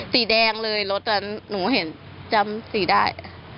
สีแดงเลยรถหนูเห็นจำสีได้